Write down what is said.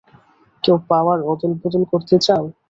কেউ পাওয়ার অদল-বদল করতে চাও?